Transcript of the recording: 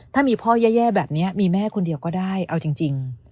ถ้ามีพ่อแย่แบบนี้มีแม่คนเดียวก็ได้เอาจริง